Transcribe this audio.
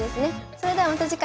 それではまた次回。